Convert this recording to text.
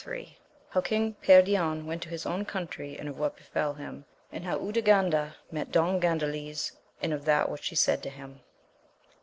— How King Perion went to his own country, and of what befeU him. And how Urganda met Don Chmdales and of that which she said to him.